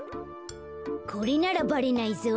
これならばれないぞ。